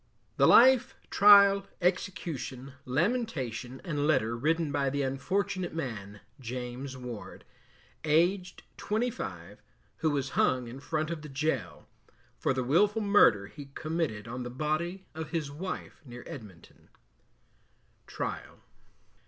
The Life, Trial, Execution, Lamentation, and Letter written by the unfortunate man James Ward, Aged 25, who was hung in front of the Gaol, For the Wilful Murder he committed on the body of his Wife, near Edminton. TRIAL.